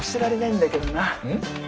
うん？